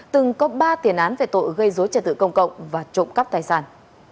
từng có ba tiền án về tội gây rối trả tự công cộng và trộm cắp tài sản